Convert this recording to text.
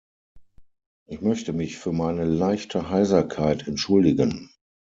Ich möchte mich für meine leichte Heiserkeit entschuldigen.